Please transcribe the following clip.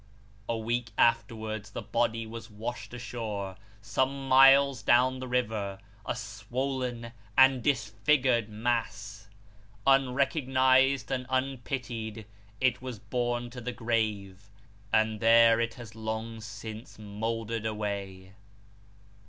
A week afterwards the body was washed ashore, some miles down the river, a swollen and disfigured mass. Unrecognised and unpitied, it was borne to the grave ; and there it has long since mouldered away!